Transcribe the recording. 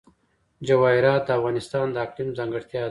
جواهرات د افغانستان د اقلیم ځانګړتیا ده.